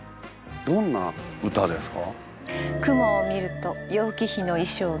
どんな詩ですか？